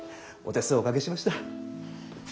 お手数おかけしました。